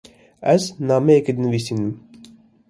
Ez nameyekê dinivîsim.